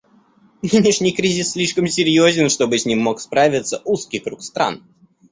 Нынешний кризис слишком серьезен, чтобы с ним мог справиться узкий круг стран.